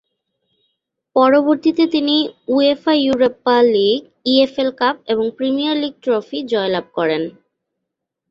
পরবর্তীতে তিনি UEFA Europa League, EFL Cup এবং প্রিমিয়ার লীগ ট্রফি জয়লাভ করেন।